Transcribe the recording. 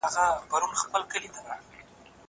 زه له پرون راهيسې کار کوم!!